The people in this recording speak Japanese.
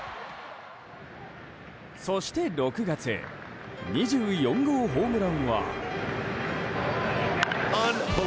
そして、６月２４号ホームランは。